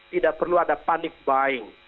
tidak perlu ada panik buying